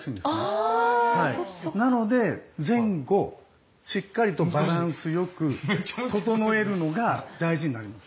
あ！なので前後しっかりとバランスよく整えるのが大事になります。